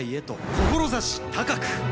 志高く。